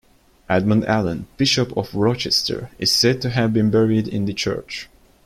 Edmund Allen, Bishop of Rochester, is said to have been buried in the church.